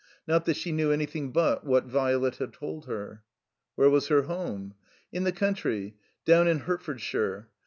Not that she knew anything but what Violet had told her. Where was her home? In the coimtry. Down in Hertfordshire.